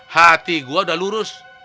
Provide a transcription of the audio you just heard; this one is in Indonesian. hati gue udah lurus